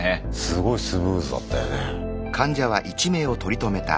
すごいスムーズだったよね。